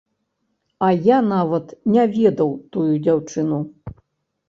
А я нават не ведаў тую дзяўчыну.